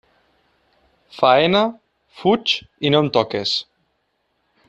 Faena, fuig i no em toques.